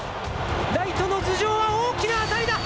ライトの頭上は大きな当たりだ。